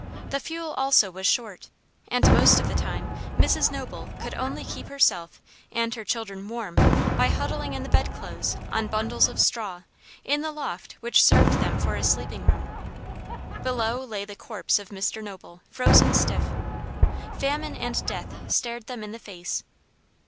The fuel also was short, and most of the time Mrs. Noble could only keep herself and her children warm by huddling in the bedclothes on bundles of straw, in the loft which served them for a sleeping room. Below lay the corpse of Mr. Noble, frozen stiff. Famine and death stared them in the face.